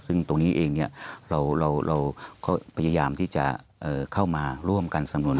ซึ่งตรงนี้เองเราก็พยายามที่จะเข้ามาร่วมกันสำนวน